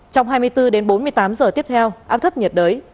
trong hai mươi bốn đến bốn mươi tám giờ tiếp theo áp thấp nhiệt đới